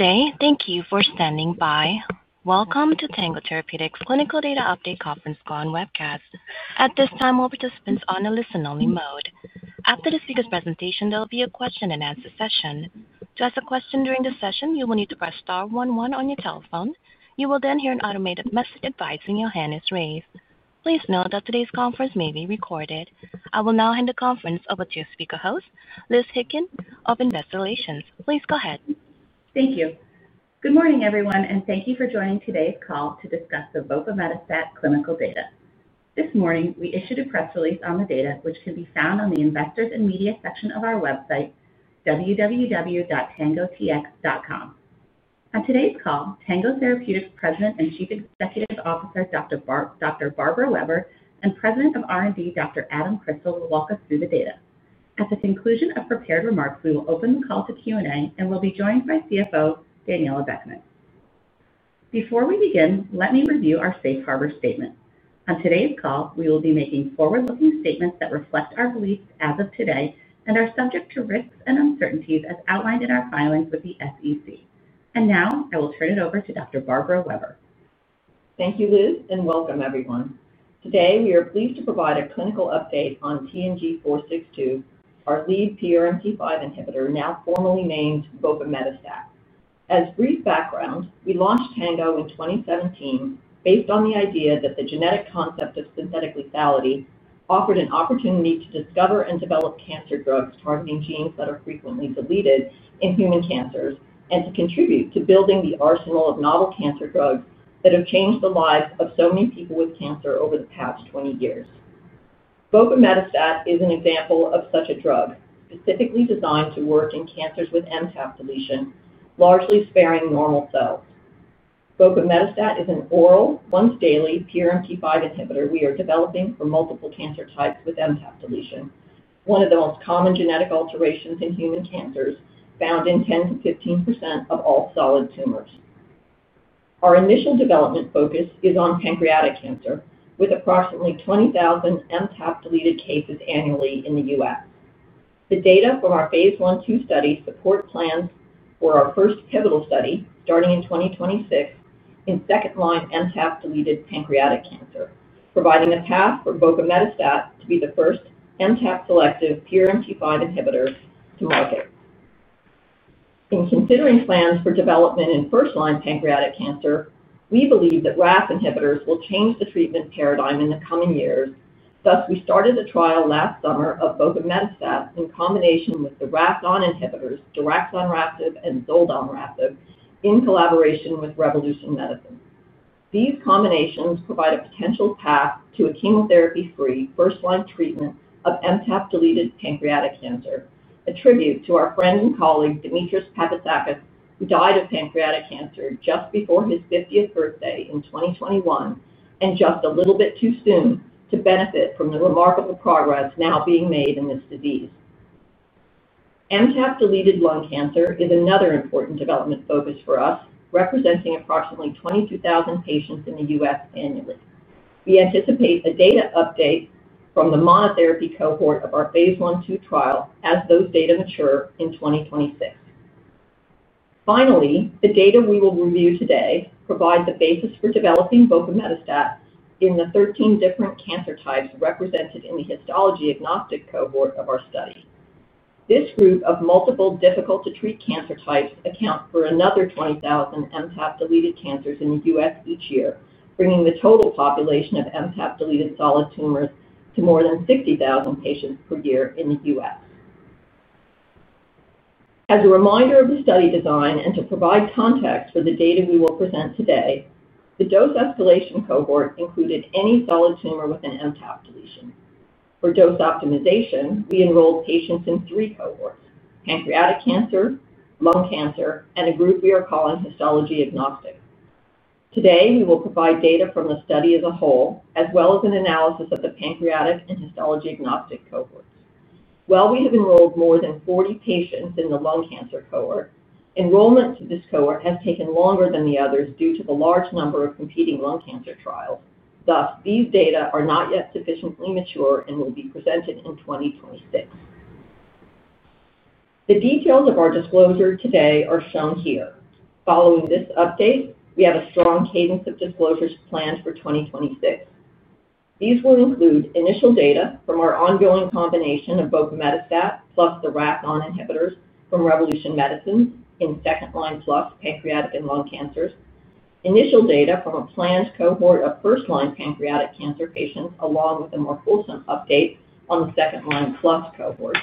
Today, thank you for standing by. Welcome to Tango Therapeutics' clinical data update conference call and webcast. At this time, all participants are on a listen-only mode. After the speaker's presentation, there will be a question-and-answer session. To ask a question during the session, you will need to press star one one on your telephone. You will then hear an automated message advising your hand is raised. Please note that today's conference may be recorded. I will now hand the conference over to your speaker host, Elizabeth Hickin of Investor Relations. Please go ahead. Thank you. Good morning, everyone, and thank you for joining today's call to discuss the vopimetostat clinical data. This morning, we issued a press release on the data, which can be found on the Investors and Media section of our website, www.tangotx.com. On today's call, Tango Therapeutics' President and Chief Executive Officer Dr. Barbara Weber and President of R&D Dr. Adam Crystal will walk us through the data. At the conclusion of prepared remarks, we will open the call to Q&A, and we'll be joined by CFO Daniella Beckmann. Before we begin, let me review our safe harbor statement. On today's call, we will be making forward-looking statements that reflect our beliefs as of today and are subject to risks and uncertainties as outlined in our filings with the SEC. I will turn it over to Dr. Barbara Weber. Thank you, Liz, and welcome, everyone. Today, we are pleased to provide a clinical update on TNG462, our lead PRMT5 inhibitor, now formally named vopimetostat. As brief background, we launched Tango in 2017 based on the idea that the genetic concept of synthetic lethality offered an opportunity to discover and develop cancer drugs targeting genes that are frequently deleted in human cancers and to contribute to building the arsenal of novel cancer drugs that have changed the lives of so many people with cancer over the past 20 years. vopimetostat is an example of such a drug, specifically designed to work in cancers with MTAP deletion, largely sparing normal cells. vopimetostat is an oral, once-daily PRMT5 inhibitor we are developing for multiple cancer types with MTAP deletion, one of the most common genetic alterations in human cancers, found in 10% to 15% of all solid tumors. Our initial development focus is on pancreatic cancer, with approximately 20,000 MTAP-deleted cases annually in the U.S. The data from our phase I/II study support plans for our first pivotal study, starting in 2026, in second-line MTAP-deleted pancreatic cancer, providing a path for vopimetostat to be the first MTAP-selective PRMT5 inhibitor to market. In considering plans for development in first-line pancreatic cancer, we believe that RAS inhibitors will change the treatment paradigm in the coming years. Thus, we started a trial last summer of vopimetostat in combination with the RAS-on inhibitors, daraxonrasib and zoldonrasib, in collaboration with Revolution Medicines. These combinations provide a potential path to a chemotherapy-free first-line treatment of MTAP-deleted pancreatic cancer, a tribute to our friend and colleague Dimitris Papoutsakis, who died of pancreatic cancer just before his 50th birthday in 2021, and just a little bit too soon to benefit from the remarkable progress now being made in this disease. MTAP-deleted lung cancer is another important development focus for us, representing approximately 22,000 patients in the U.S. annually. We anticipate a data update from the monotherapy cohort of our phase I/II trial as those data mature in 2026. Finally, the data we will review today provides the basis for developing vopimetostat in the 13 different cancer types represented in the histology-agnostic cohort of our study. This group of multiple difficult-to-treat cancer types accounts for another 20,000 MTAP-deleted cancers in the U.S. each year, bringing the total population of MTAP-deleted solid tumors to more than 60,000 patients per year in the U.S. As a reminder of the study design and to provide context for the data we will present today, the dose escalation cohort included any solid tumor with an MTAP deletion. For dose optimization, we enrolled patients in three cohorts: pancreatic cancer, lung cancer, and a group we are calling histology agnostic. Today, we will provide data from the study as a whole, as well as an analysis of the pancreatic and histology agnostic cohorts. While we have enrolled more than 40 patients in the lung cancer cohort, enrollment to this cohort has taken longer than the others due to the large number of competing lung cancer trials. These data are not yet sufficiently mature and will be presented in 2026. The details of our disclosure today are shown here. Following this update, we have a strong cadence of disclosures planned for 2026. These will include initial data from our ongoing combination of vopimetostat plus the RAS-on inhibitors from Revolution Medicines in second-line plus pancreatic and lung cancers, initial data from a planned cohort of first-line pancreatic cancer patients, along with a more fulsome update on the second-line plus cohorts,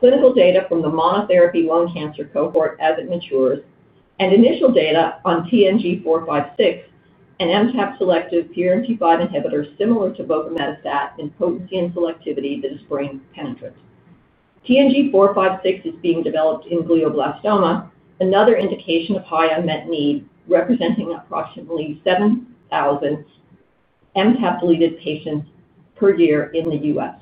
clinical data from the monotherapy lung cancer cohort as it matures, and initial data on TNG456 and MTAP-selective PRMT5 inhibitors similar to vopimetostat in potency and selectivity that is brain-penetrant. TNG456 is being developed in glioblastoma, another indication of high unmet need, representing approximately 7,000 MTAP-deleted patients per year in the U.S.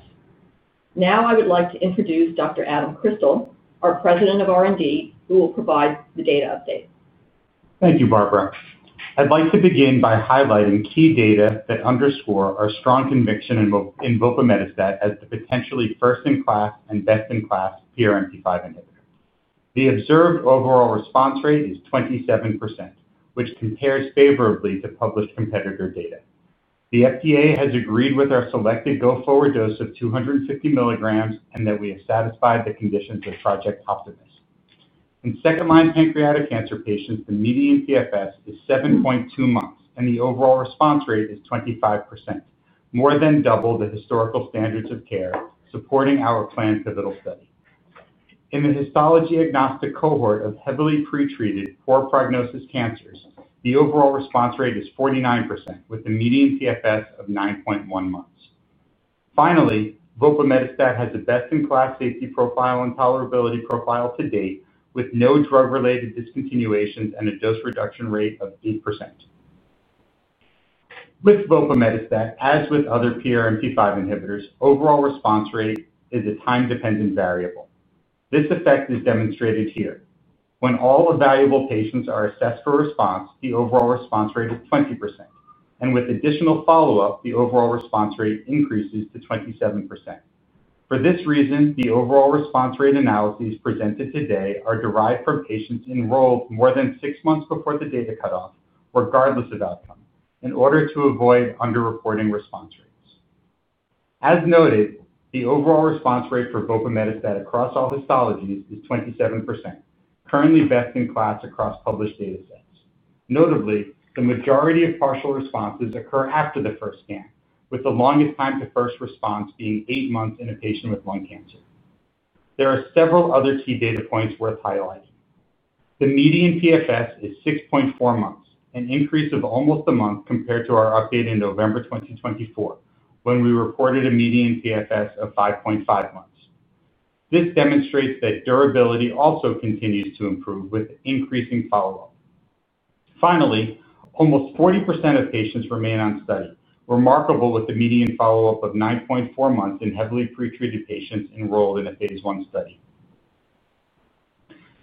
Now, I would like to introduce Dr. Adam Crystal, our President of R&D, who will provide the data update. Thank you, Barbara. I'd like to begin by highlighting key data that underscore our strong conviction in vopimetostat as the potentially first-in-class and best-in-class PRMT5 inhibitor. The observed overall response rate is 27%, which compares favorably to published competitor data. The FDA has agreed with our selected go-forward dose of 250 mg and that we have satisfied the conditions of Project Optimus. In second-line pancreatic cancer patients, the median PFS is 7.2 months, and the overall response rate is 25%, more than double the historical standards of care supporting our planned pivotal study. In the histology-agnostic cohort of heavily pretreated, poor-prognosis cancers, the overall response rate is 49%, with a median PFS of 9.1 months. Finally, vopimetostat has the best-in-class safety profile and tolerability profile to date, with no drug-related discontinuations and a dose reduction rate of 8%. With vopimetostat, as with other PRMT5 inhibitors, overall response rate is a time-dependent variable. This effect is demonstrated here. When all evaluable patients are assessed for response, the overall response rate is 20%, and with additional follow-up, the overall response rate increases to 27%. For this reason, the overall response rate analyses presented today are derived from patients enrolled more than six months before the data cutoff, regardless of outcome, in order to avoid underreporting response rates. As noted, the overall response rate for vopimetostat across all histologies is 27%, currently best in class across published data sets. Notably, the majority of partial responses occur after the first scan, with the longest time to first response being eight months in a patient with lung cancer. There are several other key data points worth highlighting. The median PFS is 6.4 months, an increase of almost a month compared to our update in November 2024, when we reported a median PFS of 5.5 months. This demonstrates that durability also continues to improve with increasing follow-up. Finally, almost 40% of patients remain on study, remarkable with a median follow-up of 9.4 months in heavily pretreated patients enrolled in a phase I study.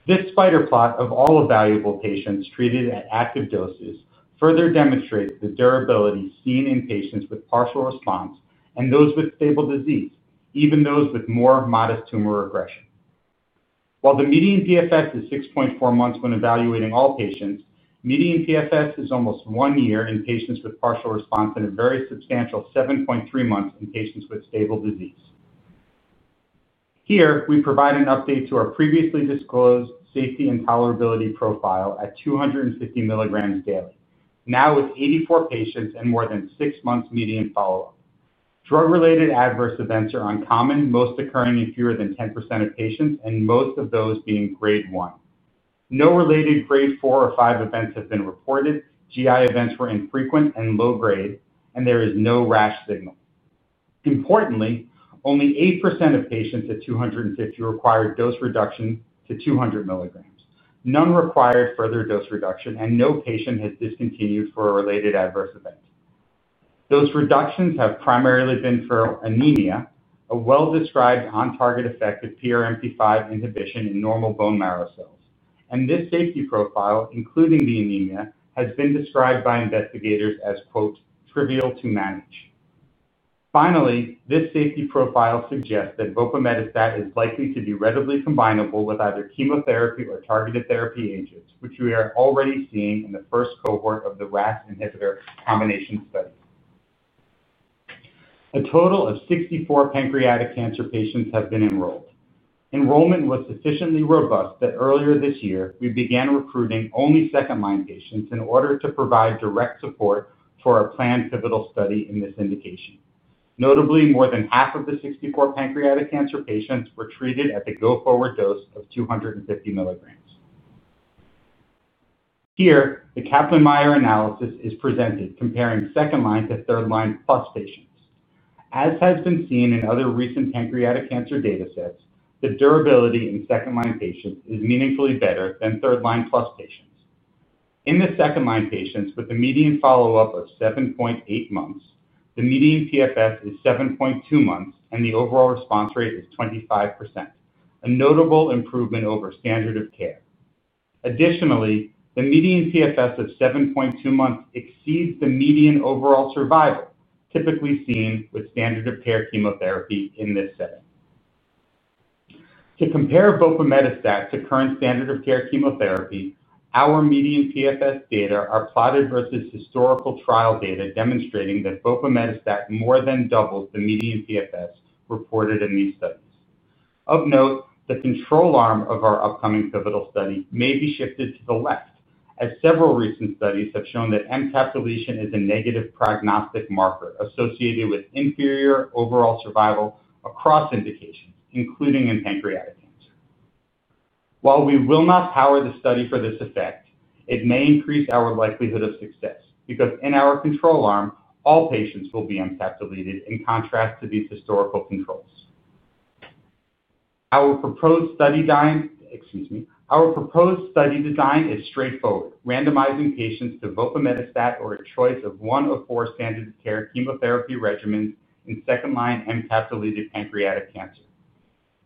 This spider plot of all evaluable patients treated at active doses further demonstrates the durability seen in patients with partial response and those with stable disease, even those with more modest tumor regression. While the median PFS is 6.4 months when evaluating all patients, median PFS is almost one year in patients with partial response and a very substantial 7.3 months in patients with stable disease. Here, we provide an update to our previously disclosed safety and tolerability profile at 250 mg daily, now with 84 patients and more than six months median follow-up. Drug-related adverse events are uncommon, most occurring in fewer than 10% of patients, and most of those being grade I. No related grade IV or V events have been reported. GI events were infrequent and low grade, and there is no rash signal. Importantly, only 8% of patients at 250 mg required dose reduction to 200 mg. None required further dose reduction, and no patient has discontinued for a related adverse event. Those reductions have primarily been for anemia, a well-described on-target effect of PRMT5 inhibition in normal bone marrow cells. This safety profile, including the anemia, has been described by investigators as quote "trivial to manage." Finally, this safety profile suggests that vopimetostat is likely to be readily combinable with either chemotherapy or targeted therapy agents, which we are already seeing in the first cohort of the RAS-on inhibitor combination studies. A total of 64 pancreatic cancer patients have been enrolled. Enrollment was sufficiently robust that earlier this year, we began recruiting only second-line patients in order to provide direct support for our planned pivotal study in this indication. Notably, more than half of the 64 pancreatic cancer patients were treated at the go-forward dose of 250 mg. Here, the Kaplan-Meier analysis is presented, comparing second-line to third-line plus patients. As has been seen in other recent pancreatic cancer data sets, the durability in second-line patients is meaningfully better than third-line plus patients. In the second-line patients with a median follow-up of 7.8 months, the median PFS is 7.2 months, and the overall response rate is 25%, a notable improvement over standard of care. Additionally, the median PFS of 7.2 months exceeds the median overall survival, typically seen with standard-of-care chemotherapy in this setting. To compare vopimetostat to current standard-of-care chemotherapy, our median PFS data are plotted versus historical trial data, demonstrating that vopimetostat more than doubles the median PFS reported in these studies. Of note, the control arm of our upcoming pivotal study may be shifted to the left, as several recent studies have shown that MTAP deletion is a negative prognostic marker associated with inferior overall survival across indications, including in pancreatic cancer. While we will not power the study for this effect, it may increase our likelihood of success because in our control arm, all patients will be MTAP-deleted in contrast to these historical controls. Our proposed study design is straightforward, randomizing patients to vopimetostat or a choice of one of four standard-of-care chemotherapy regimens in second-line MTAP-deleted pancreatic cancer.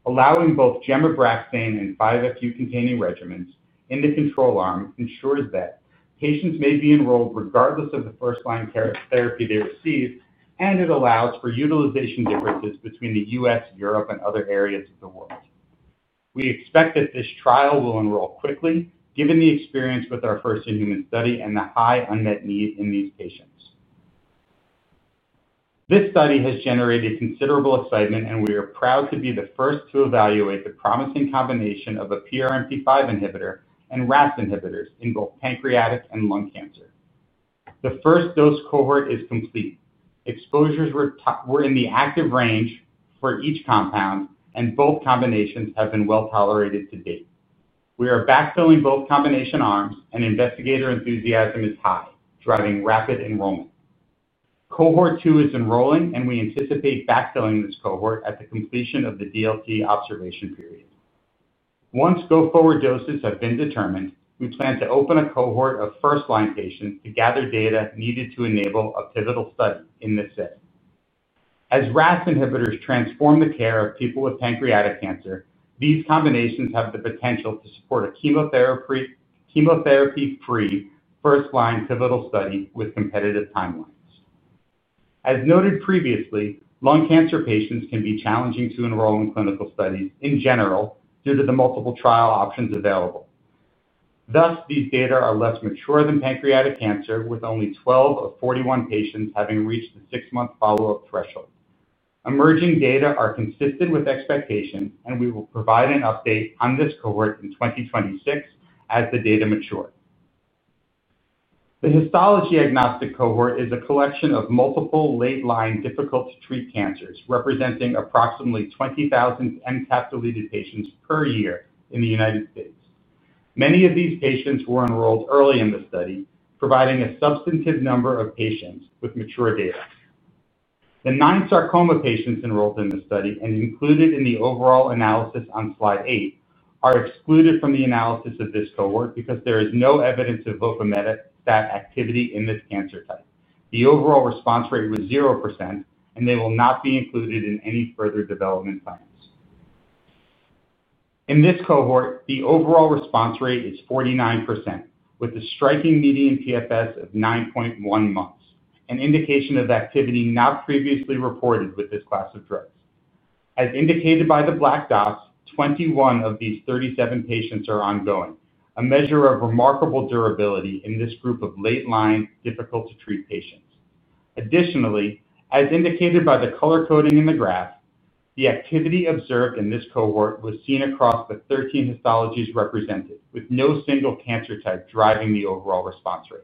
Allowing both gemabraxane and 5-FU-containing regimens in the control arm ensures that patients may be enrolled regardless of the first-line therapy they receive, and it allows for utilization differences between the U.S., Europe, and other areas of the world. We expect that this trial will enroll quickly, given the experience with our first in-human study and the high unmet need in these patients. This study has generated considerable excitement, and we are proud to be the first to evaluate the promising combination of a PRMT5 inhibitor and RAS inhibitors in both pancreatic and lung cancer. The first dose cohort is complete. Exposures were in the active range for each compound, and both combinations have been well tolerated to date. We are backfilling both combination arms, and investigator enthusiasm is high, driving rapid enrollment. Cohort 2 is enrolling, and we anticipate backfilling this cohort at the completion of the DLT observation period. Once go-forward doses have been determined, we plan to open a cohort of first-line patients to gather data needed to enable a pivotal study in this setting. As RAS inhibitors transform the care of people with pancreatic cancer, these combinations have the potential to support a chemotherapy-free first-line pivotal study with competitive timelines. As noted previously, lung cancer patients can be challenging to enroll in clinical studies in general due to the multiple trial options available. Thus, these data are less mature than pancreatic cancer, with only 12 of 41 patients having reached the six-month follow-up threshold. Emerging data are consistent with expectations, and we will provide an update on this cohort in 2026 as the data mature. The histology-agnostic cohort is a collection of multiple late-line difficult-to-treat cancers, representing approximately 20,000 MTAP-deleted patients per year in the U.S. Many of these patients were enrolled early in the study, providing a substantive number of patients with mature data. The nine sarcoma patients enrolled in the study and included in the overall analysis on slide 8 are excluded from the analysis of this cohort because there is no evidence of vopimetostat activity in this cancer type. The overall response rate was 0%, and they will not be included in any further development plans. In this cohort, the overall response rate is 49%, with a striking median PFS of 9.1 months, an indication of activity not previously reported with this class of drugs. As indicated by the black dots, 21 of these 37 patients are ongoing, a measure of remarkable durability in this group of late-line difficult-to-treat patients. Additionally, as indicated by the color coding in the graph, the activity observed in this cohort was seen across the 13 histologies represented, with no single cancer type driving the overall response rate.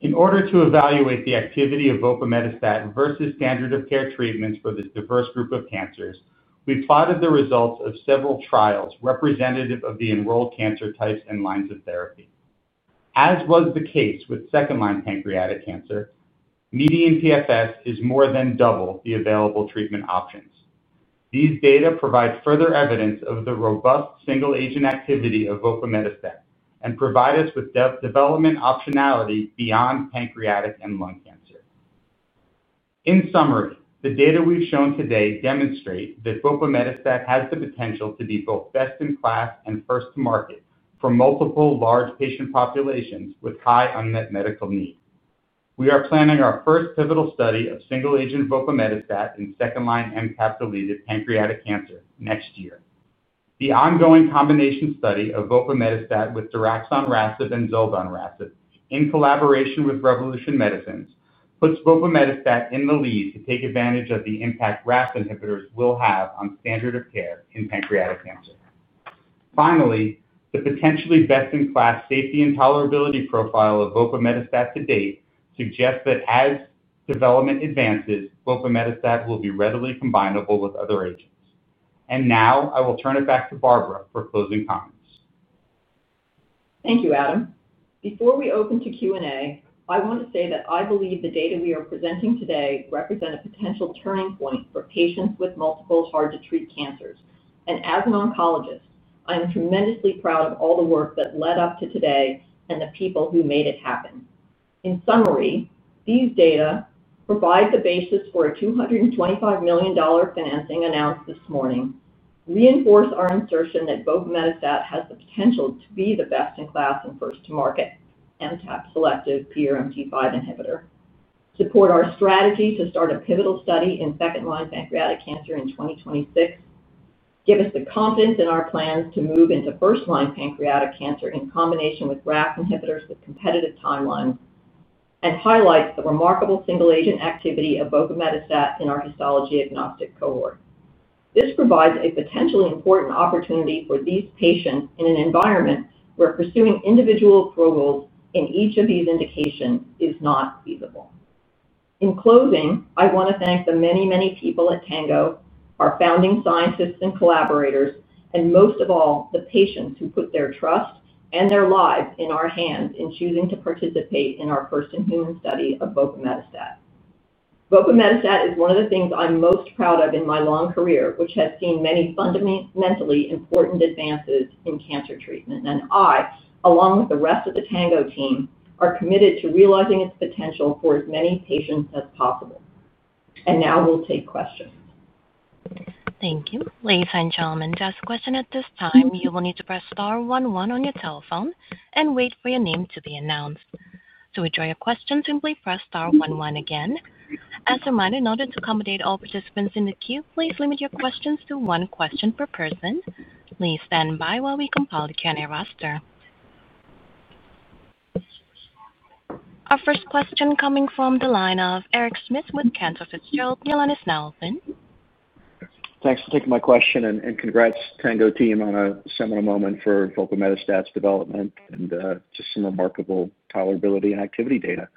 In order to evaluate the activity of vopimetostat versus standard-of-care treatments for this diverse group of cancers, we plotted the results of several trials representative of the enrolled cancer types and lines of therapy. As was the case with second-line pancreatic cancer, median PFS is more than double the available treatment options. These data provide further evidence of the robust single-agent activity of vopimetostat and provide us with development optionality beyond pancreatic and lung cancer. In summary, the data we've shown today demonstrate that vopimetostat has the potential to be both best in class and first to market for multiple large patient populations with high unmet medical needs. We are planning our first pivotal study of single-agent vopimetostat in second-line MTAP-deleted pancreatic cancer next year. The ongoing combination study of vopimetostat with daraxonrasib and zoldonrasib, in collaboration with Revolution Medicines, puts vopimetostat in the lead to take advantage of the impact RAS inhibitors will have on standard of care in pancreatic cancer. Finally, the potentially best-in-class safety and tolerability profile of vopimetostat to date suggests that as development advances, vopimetostat will be readily combinable with other agents. I will turn it back to Barbara for closing comments. Thank you, Adam. Before we open to Q&A, I want to say that I believe the data we are presenting today represent a potential turning point for patients with multiple hard-to-treat cancers. As an oncologist, I am tremendously proud of all the work that led up to today and the people who made it happen. In summary, these data provide the basis for a $225 million financing announced this morning, reinforce our assertion that vopimetostat has the potential to be the best in class and first to market MTAP-selective PRMT5 inhibitor, support our strategy to start a pivotal study in second-line pancreatic cancer in 2026, give us the confidence in our plans to move into first-line pancreatic cancer in combination with RAS inhibitors with competitive timelines, and highlight the remarkable single-agent activity of vopimetostat in our histology-agnostic cohort. This provides a potentially important opportunity for these patients in an environment where pursuing individual approvals in each of these indications is not feasible. In closing, I want to thank the many, many people at Tango, our founding scientists and collaborators, and most of all, the patients who put their trust and their lives in our hands in choosing to participate in our first in-human study of vopimetostat. vopimetostat is one of the things I'm most proud of in my long career, which has seen many fundamentally important advances in cancer treatment. I, along with the rest of the Tango team, am committed to realizing its potential for as many patients as possible. Now, we'll take questions. Thank you. Ladies and gentlemen, to ask a question at this time, you will need to press star one one on your telephone and wait for your name to be announced. To withdraw your question, simply press *star one one again. As a reminder, in order to accommodate all participants in the queue, please limit your questions to one question per person. Please stand by while we compile the Q&A roster. Our first question coming from the line of Eric Schmidt with Cantor Fitzgerald. Your line is now open. Thanks for taking my question, and congrats Tango team on a seminal moment for vopimetostat's development and just some remarkable tolerability and activity data.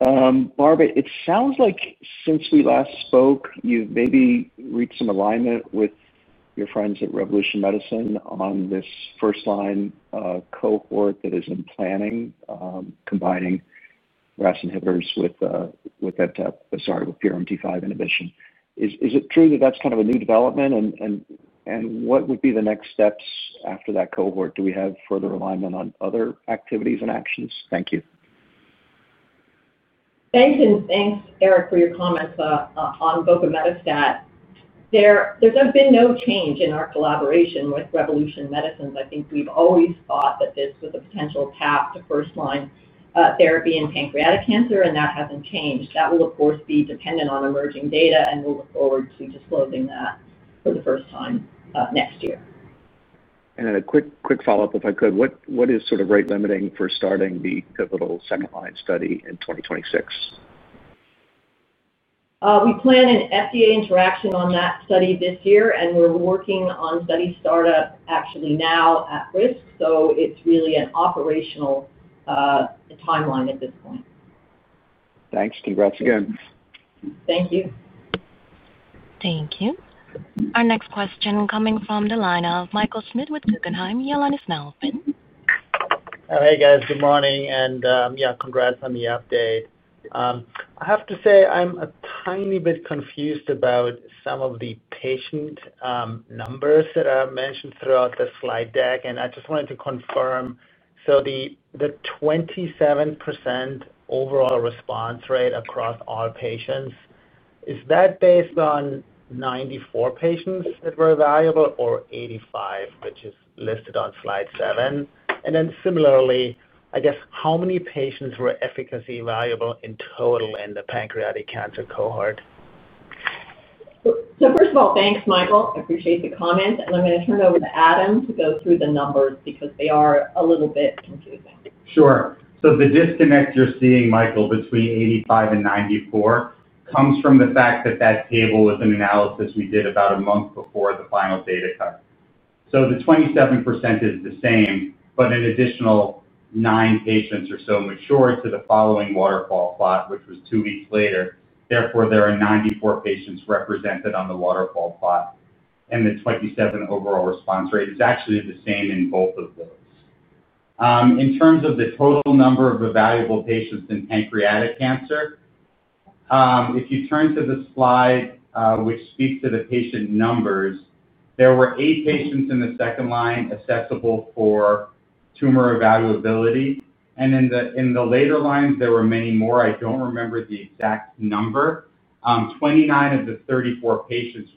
Barbara, it sounds like since we last spoke, you've maybe reached some alignment with your friends at Revolution Medicines on this first-line cohort that is in planning, combining RAS inhibitors with MTAP, sorry, with PRMT5 inhibition. Is it true that that's kind of a new development? What would be the next steps after that cohort? Do we have further alignment on other activities and actions? Thank you. Thanks, and thanks, Eric, for your comments on vopimetostat. There's been no change in our collaboration with Revolution Medicines. I think we've always thought that this was a potential path to first-line therapy in pancreatic cancer, and that hasn't changed. That will, of course, be dependent on emerging data, and we'll look forward to disclosing that for the first time next year. What is sort of rate limiting for starting the pivotal second-line study in 2026? We plan an FDA interaction on that study this year, and we're working on study startup actually now at risk. It's really an operational timeline at this point. Thanks. Congrats again. Thank you. Thank you. Our next question coming from the line of Michael Schmidt with Guggenheim. Your line is now open. Hey, guys. Good morning. Congrats on the update. I have to say I'm a tiny bit confused about some of the patient numbers that are mentioned throughout the slide deck. I just wanted to confirm, the 27% overall response rate across all patients, is that based on 94 patients that were evaluable or 85, which is listed on slide seven? Similarly, how many patients were efficacy evaluable in total in the pancreatic cancer cohort? First of all, thanks, Michael. I appreciate the comments. I'm going to turn it over to Adam to go through the numbers because they are a little bit confusing. Sure. The disconnect you're seeing, Michael, between 85 and 94 comes from the fact that that table was an analysis we did about a month before the final data cut. The 27% is the same, but an additional nine patients or so matured to the following waterfall plot, which was two weeks later. Therefore, there are 94 patients represented on the waterfall plot. The 27% overall response rate is actually the same in both of those. In terms of the total number of evaluable patients in pancreatic cancer, if you turn to the slide which speaks to the patient numbers, there were eight patients in the second line assessable for tumor evaluability. In the later lines, there were many more. I don't remember the exact number. 29 of the 34 patients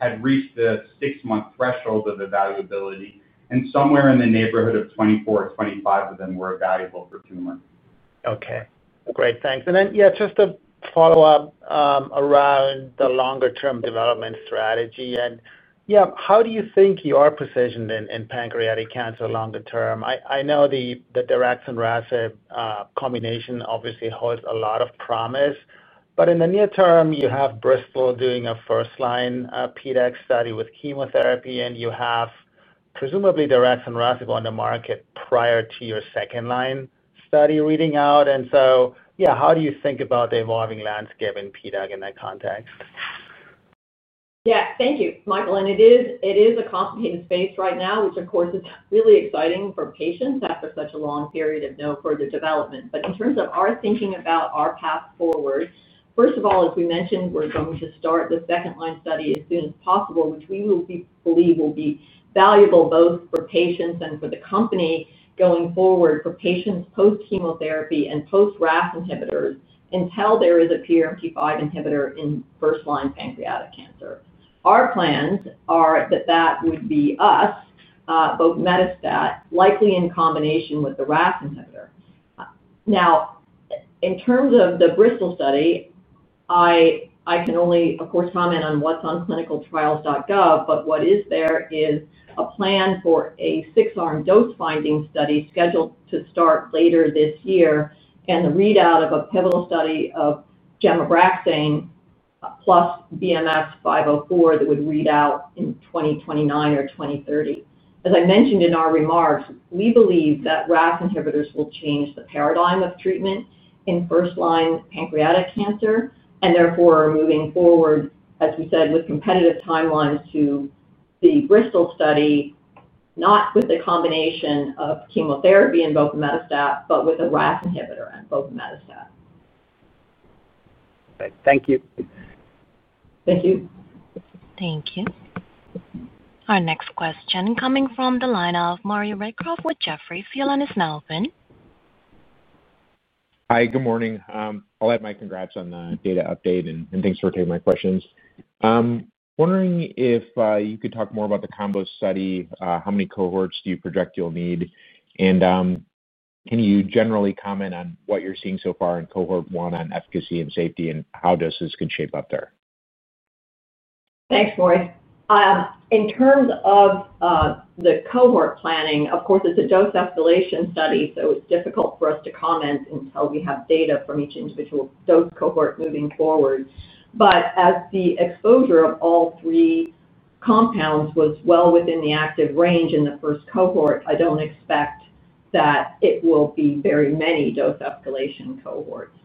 had reached the six-month threshold of evaluability, and somewhere in the neighborhood of 24 or 25 of them were evaluable for tumor. OK. Great. Thanks. Just a follow-up around the longer-term development strategy. How do you think you are positioned in pancreatic cancer longer term? I know the daraxonrasib combination obviously holds a lot of promise. In the near term, you have Bristol doing a first-line PDAC study with chemotherapy, and you have presumably daraxonrasib on the market prior to your second-line study reading out. How do you think about the evolving landscape in PDAC in that context? Thank you, Michael. It is a complicated space right now, which, of course, is really exciting for patients after such a long period of no further development. In terms of our thinking about our path forward, first of all, as we mentioned, we're going to start the second-line study as soon as possible, which we believe will be valuable both for patients and for the company going forward for patients post-chemotherapy and post-RAS inhibitors until there is a PRMT5 inhibitor in first-line pancreatic cancer. Our plans are that that would be us, both vopimetostat, likely in combination with the RAS inhibitor. In terms of the Bristol study, I can only, of course, comment on what's on clinicaltrials.gov. What is there is a plan for a six-arm dose-finding study scheduled to start later this year and the readout of a pivotal study of gemabraxane plus [BGM0504] that would read out in 2029 or 2030. As I mentioned in our remarks, we believe that RAS inhibitors will change the paradigm of treatment in first-line pancreatic cancer. Therefore, moving forward, as we said, with competitive timelines to the Bristol study, not with a combination of chemotherapy and vopimetostat, but with a RAS inhibitor and vopimetostat. Thank you. Thank you. Thank you. Our next question coming from the line of Maury Raycroft with Jefferies. Your line is now open. Hi. Good morning. I'll add my congrats on the data update, and thanks for taking my questions. I'm wondering if you could talk more about the combo study. How many cohorts do you project you'll need? Can you generally comment on what you're seeing so far in cohort one on efficacy and safety, and how doses could shape up there? Thanks, Maury. In terms of the cohort planning, of course, it's a dose escalation study, so it's difficult for us to comment until we have data from each individual dose cohort moving forward. As the exposure of all three compounds was well within the active range in the first cohort, I don't expect that it will be very many dose escalation cohorts.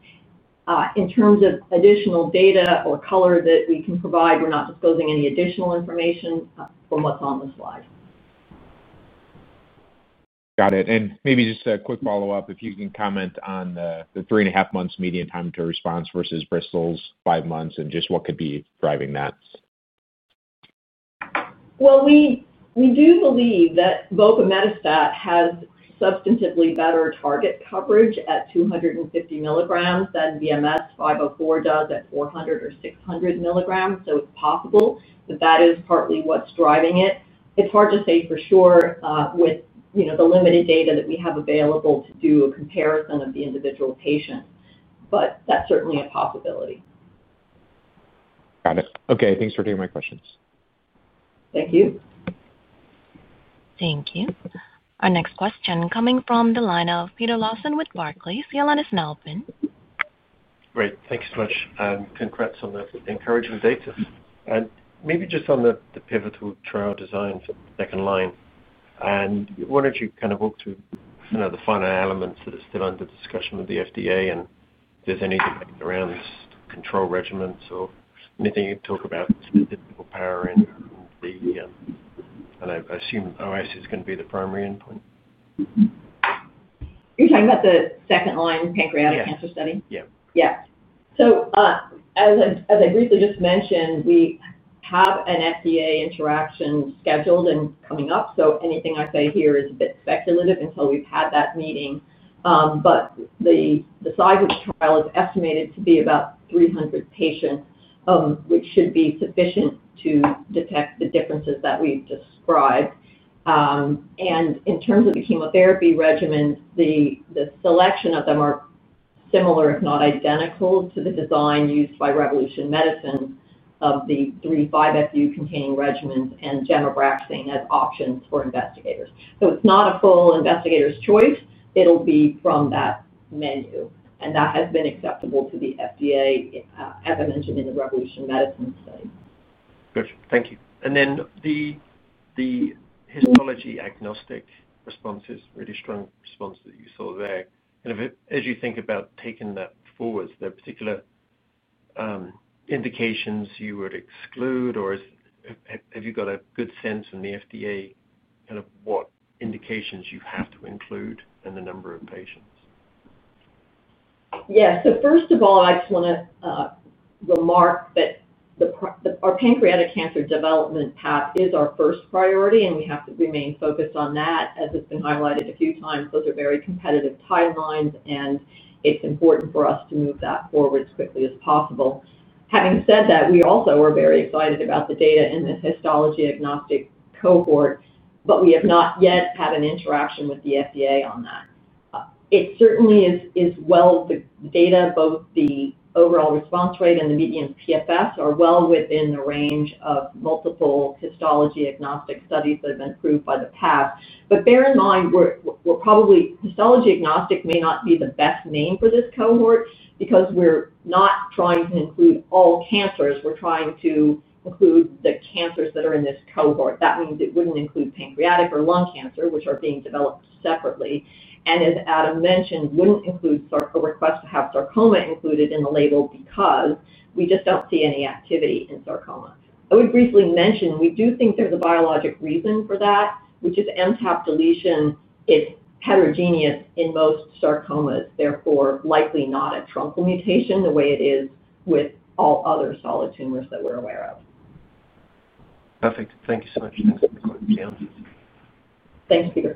In terms of additional data or color that we can provide, we're not disclosing any additional information from what's on the slide. Got it. Maybe just a quick follow-up. If you can comment on the 3.5 months median time to response versus Bristol's 5 months and just what could be driving that. We do believe that vopimetostat has substantively better target coverage at 250 mg than BMX-504 does at 400 mg or 600 mg. It's possible that that is partly what's driving it. It's hard to say for sure with the limited data that we have available to do a comparison of the individual patients. That's certainly a possibility. Got it. OK. Thanks for taking my questions. Thank you. Thank you. Our next question coming from the line of Peter Lawson with Barclays. You line is now open. Great. Thanks so much. Congrats on the encouraging data. Maybe just on the pivotal trial design for the second line, I wonder if you could kind of walk through the final elements that are still under discussion with the FDA, and if there's any debate around control regimens or anything you can talk about specifically for power. I assume OS is going to be the primary endpoint. You're talking about the second-line pancreatic cancer study? Yeah. Yeah. As I briefly just mentioned, we have an FDA interaction scheduled and coming up. Anything I say here is a bit speculative until we've had that meeting. The size of the trial is estimated to be about 300 patients, which should be sufficient to detect the differences that we've described. In terms of the chemotherapy regimens, the selection of them are similar, if not identical, to the design used by Revolution Medicines of the three 5-FU-containing regimens and gemabraxane as options for investigators. It's not a full investigator's choice. It'll be from that menu. That has been acceptable to the FDA, as I mentioned, in the Revolution Medicines study. Thank you. The histology-agnostic responses, really strong response that you saw there. As you think about taking that forward, are there particular indications you would exclude, or have you got a good sense from the FDA what indications you have to include and the number of patients? Yeah. First of all, I just want to remark that our pancreatic cancer development path is our first priority, and we have to remain focused on that. As it's been highlighted a few times, those are very competitive timelines, and it's important for us to move that forward as quickly as possible. Having said that, we also are very excited about the data in the histology-agnostic cohort, but we have not yet had an interaction with the FDA on that. It certainly is as well. The data, both the overall response rate and the median PFS, are well within the range of multiple histology-agnostic studies that have been approved in the past. Bear in mind, histology-agnostic may not be the best name for this cohort because we're not trying to include all cancers. We're trying to include the cancers that are in this cohort. That means it wouldn't include pancreatic or lung cancer, which are being developed separately. As Adam mentioned, it wouldn't include a request to have sarcoma included in the label because we just don't see any activity in sarcoma. I would briefly mention we do think there's a biologic reason for that, which is MTAP deletion. It's heterogeneous in most sarcomas, therefore likely not a truncal mutation the way it is with all other solid tumors that we're aware of. Perfect. Thank you so much. Thanks for the clarity. Thanks, Peter.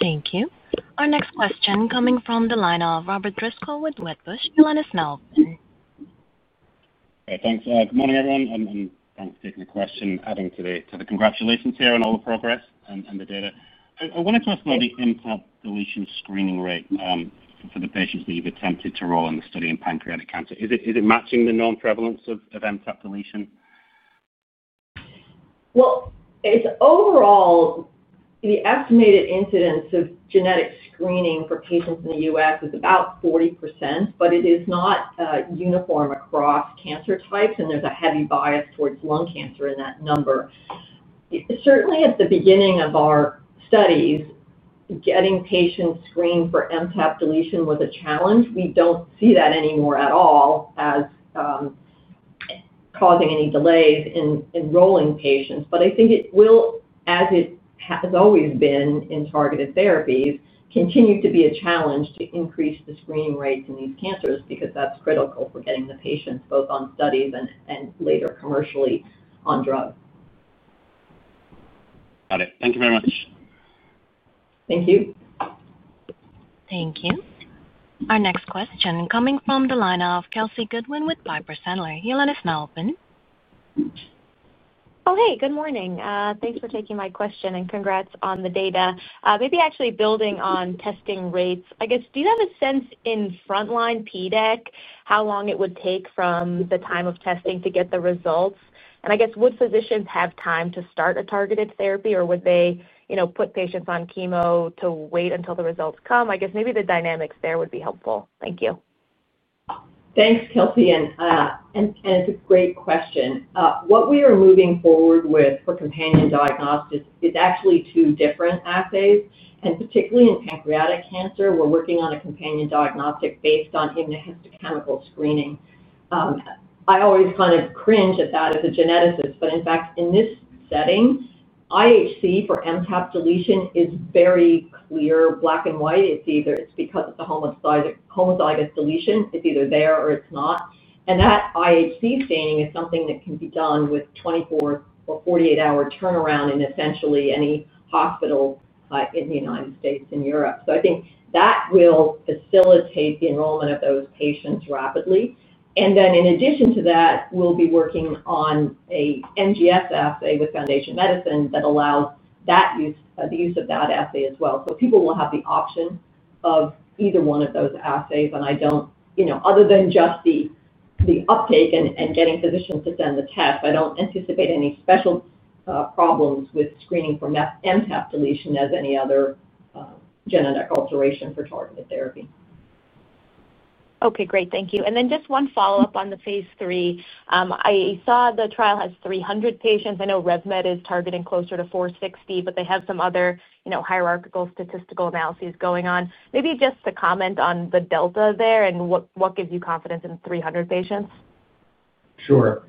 Thank you. Our next question coming from the line of Robert Driscoll with Wedbush. Your line is now open. Thanks. Good morning, everyone. Thanks for taking the question, adding to the congratulations here on all the progress and the data. I wanted to ask about the MTAP deletion screening rate for the patients that you've attempted to roll in the study in pancreatic cancer. Is it matching the known prevalence of MTAP deletion? Overall, the estimated incidence of genetic screening for patients in the U.S. is about 40%, but it is not uniform across cancer types, and there's a heavy bias towards lung cancer in that number. Certainly, at the beginning of our studies, getting patients screened for MTAP deletion was a challenge. We don't see that anymore at all as causing any delays in enrolling patients. I think it will, as it has always been in targeted therapies, continue to be a challenge to increase the screening rates in these cancers because that's critical for getting the patients both on studies and later commercially on drugs. Got it. Thank you very much. Thank you. Thank you. Our next question coming from the line of Kelsey Goodwin with Piper Sandler. Your line is now open. Good morning. Thanks for taking my question and congrats on the data. Maybe actually building on testing rates, do you have a sense in front-line PDAC how long it would take from the time of testing to get the results? Would physicians have time to start a targeted therapy, or would they put patients on chemo to wait until the results come? Maybe the dynamics there would be helpful. Thank you. Thanks, Kelsey. It's a great question. What we are moving forward with for companion diagnostics is actually two different assays. Particularly in pancreatic cancer, we're working on a companion diagnostic based on immunohistochemistry screening. I always kind of cringe at that as a geneticist, but in fact, in this setting, immunohistochemistry for MTAP deletion is very clear, black and white. It's a homozygous deletion. It's either there or it's not. That immunohistochemistry staining is something that can be done with 24 or 48-hour turnaround in essentially any hospital in the U.S. and Europe. I think that will facilitate the enrollment of those patients rapidly. In addition to that, we'll be working on an NGS assay with Foundation Medicine that allows the use of that assay as well. People will have the option of either one of those assays. Other than just the uptake and getting physicians to send the test, I don't anticipate any special problems with screening for MTAP deletion as any other genetic alteration for targeted therapy. OK, great. Thank you. Just one follow-up on the phase III. I saw the trial has 300 patients. I know Revolution Medicines is targeting closer to 460, but they have some other hierarchical statistical analyses going on. Maybe just a comment on the delta there and what gives you confidence in 300 patients? Sure.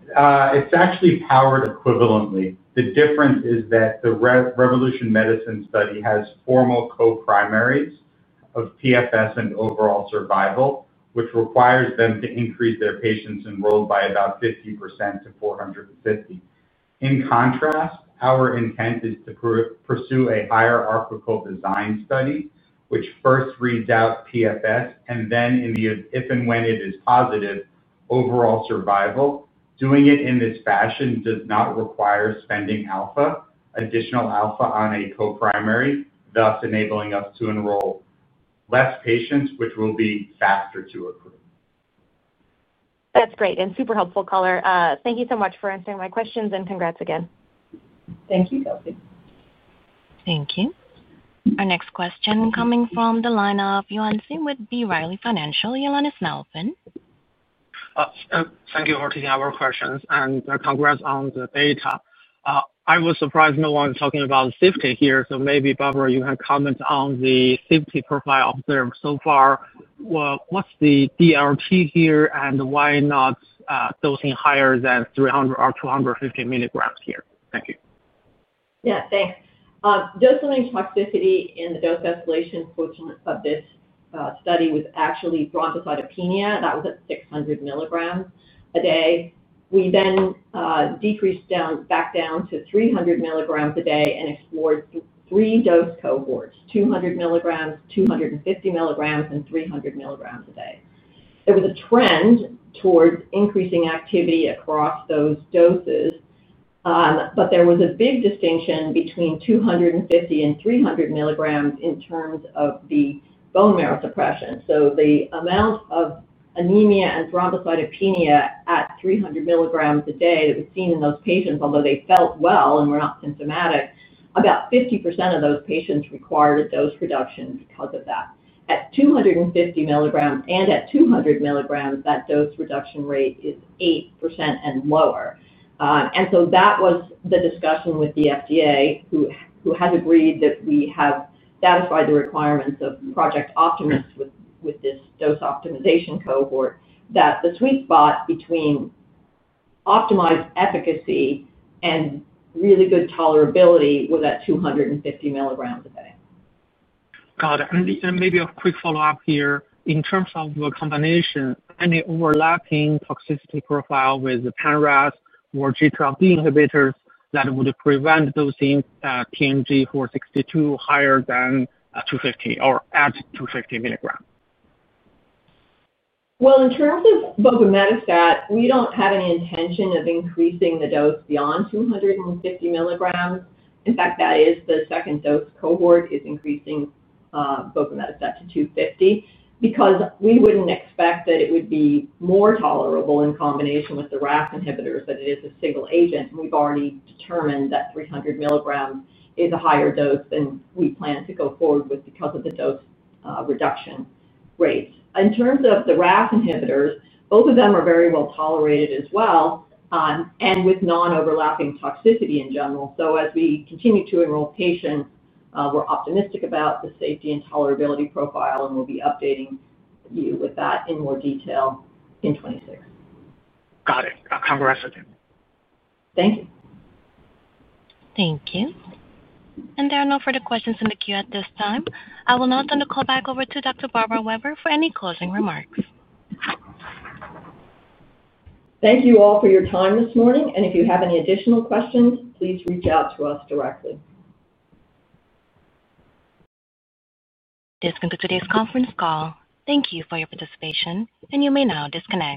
It's actually powered equivalently. The difference is that the Revolution Medicines study has formal coprimary endpoints of PFS and overall survival, which requires them to increase their patients enrolled by about 50% to 450. In contrast, our intent is to pursue a hierarchical design study, which first reads out PFS and then, if and when it is positive, overall survival. Doing it in this fashion does not require spending additional alpha on a coprimary, thus enabling us to enroll fewer patients, which will be faster to accrue. That's great and super helpful, color. Thank you so much for answering my questions and congrats again. Thank you, Kelsey. Thank you. Our next question coming from the line of Yuan Zhi with B. Riley Financial. You line is now open. Thank you for taking our questions and congrats on the data. I was surprised no one is talking about safety here. Maybe, Barbara, you can comment on the safety profile observed so far. What's the DRT here and why not dosing higher than 250 mg here? Thank you. Yeah, thanks. Dosing toxicity in the dose escalation portion of this study was actually bronchocytopenia. That was at 600 mg a day. We then decreased back down to 300 mg a day and explored three dose cohorts: 200 mg, 250 mg, and 300 mg a day. There was a trend towards increasing activity across those doses, but there was a big distinction between 250 mg and 300 mg in terms of the bone marrow suppression. The amount of anemia and thrombocytopenia at 300 mg a day that was seen in those patients, although they felt well and were not symptomatic, about 50% of those patients required a dose reduction because of that. At 250 mg and at 200 mg, that dose reduction rate is 8% and lower. That was the discussion with the FDA, who has agreed that we have satisfied the requirements of Project Optimus with this dose optimization cohort, that the sweet spot between optimized efficacy and really good tolerability was at 250 mg a day. Got it. Maybe a quick follow-up here. In terms of your combination, any overlapping toxicity profile with the PanRAS or GTRP inhibitors that would prevent dosing TNG462 higher at 250 mg? In terms of vopimetostat, we don't have any intention of increasing the dose beyond 250 mg. In fact, the second dose cohort is increasing vopimetostat to 250 mg because we wouldn't expect that it would be more tolerable in combination with the RAS inhibitors than it is as a single agent. We've already determined that 300 mg is a higher dose than we plan to go forward with because of the dose reduction rates. In terms of the RAS inhibitors, both of them are very well tolerated as well, with non-overlapping toxicity in general. As we continue to enroll patients, we're optimistic about the safety and tolerability profile, and we'll be updating you with that in more detail in 2026. Got it. Congrats again. Thank you. Thank you. There are no further questions in the queue at this time. I will now turn the call back over to Dr. Barbara Weber for any closing remarks. Thank you all for your time this morning. If you have any additional questions, please reach out to us directly. This concludes today's conference call. Thank you for your participation, and you may now disconnect.